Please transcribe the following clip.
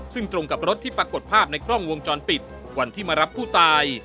ซึ่งตรงกับรถที่ปรากฏภาพในกล้องวงจรปิดวันที่มารับผู้ตาย